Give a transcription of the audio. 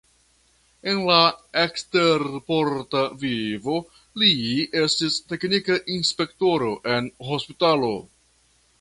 En la ekstersporta vivo li estis teknika inspektoro en hospitalo.